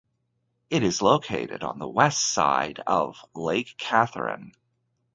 It is located on the west side of Lake Katherine.